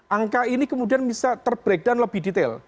angka ini kemudian bisa terbreak dan lebih detail